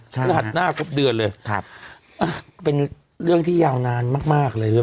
พฤหัสหน้าครบเดือนเลยครับอ่ะเป็นเรื่องที่ยาวนานมากมากเลยด้วย